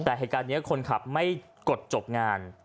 แต่ไม่กดจบงาน